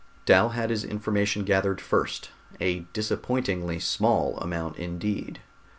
Dal had his information gathered first a disappointingly small amount indeed.